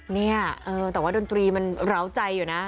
เนี่ยแต่ว่าดนตรีมันร้าวใจอยู่นะ